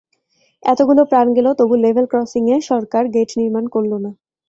এতগুলো প্রাণ গেল, তবু লেভেল ক্রসিংয়ে সরকার গেট নির্মাণ করল না।